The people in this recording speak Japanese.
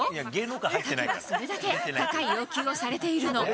タケはそれだけ高い要求をされているの。